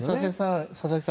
佐々木さん